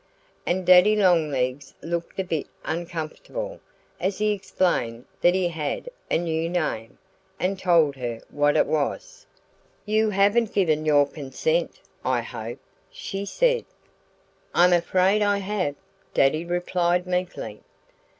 And Daddy Longlegs looked a bit uncomfortable as he explained that he had a new name, and told her what it was. "You haven't given your consent, I hope?" she said. "I'm afraid I have," Daddy replied meekly.